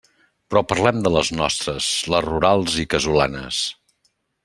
Però parlem de les nostres, les rurals i casolanes.